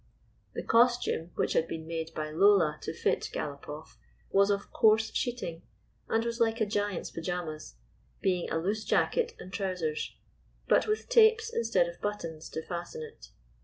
The costume, which had been made by Lola to fit Galopoff, was of coarse sheeting, and was like a giant's pajamas — being a loose jacket and trousers, but with tapes instead of buttons to fasten it.